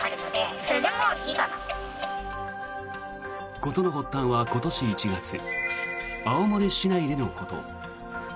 事の発端は今年１月青森市内でのこと。